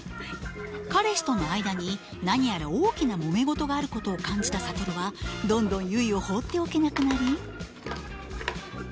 彼氏との間に何やら大きなもめ事があることを感じた諭はどんどん結を放っておけなくなり。